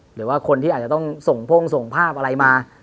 หรือว่าคนที่อาจจะต้องส่งพ่งส่งภาพอะไรมา